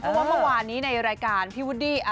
เพราะว่าเมื่อวานนี้ในรายการพี่วุดดี้